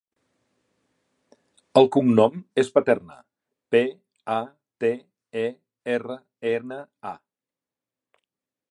El cognom és Paterna: pe, a, te, e, erra, ena, a.